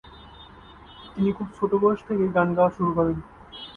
তিনি খুব ছোট বয়স থেকেই গান গাওয়া শুরু করেন।